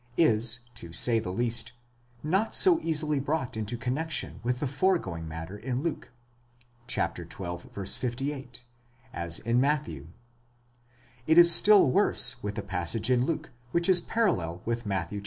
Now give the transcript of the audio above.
is, to say the least, not so easily brought into connexion with the foregoing matter in Luke (xii. 58) as in Matthew.?° It is still worse with the passage in Luke which is parallel with Matt.